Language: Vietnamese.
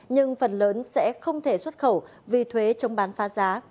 nhưng phần lớn sẽ không thể xuất khẩu vì thuế chống bán phá giá